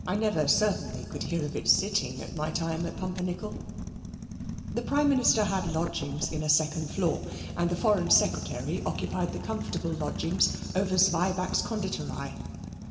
I never certainly could hear of its sitting in my time at Pumpernickel. The Prime Minister had lodgings in a second floor, and the Foreign Secretary occupied the comfortable lodgings over Zwieback's Conditorey.